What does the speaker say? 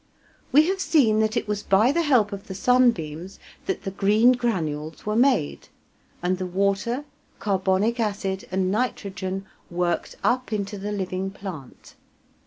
We have seen that it was by the help of the sunbeams that the green granules were made, and the water, carbonic acid, and nitrogen worked up into the living plant.